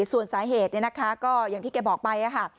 ส่วนสาเหตุเนี่ยนะคะก็อย่างที่แกบอกไปค่ะ